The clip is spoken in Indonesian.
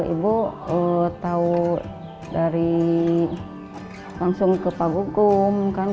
ibu tahu dari langsung ke pak gugum